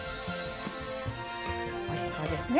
おいしそうですね